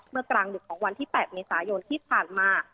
เมื่อกลางดุของวันที่๘มีศาโยนที่ผ่านมา